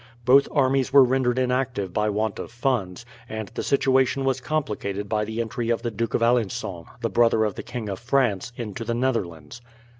Both armies were rendered inactive by want of funds, and the situation was complicated by the entry of the Duke of Alencon, the brother of the King of France, into the Netherlands.